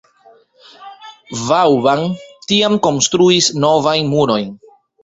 Vauban tiam konstruis novajn murojn.